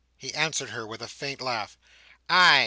He answered with a faint laugh, "Ay!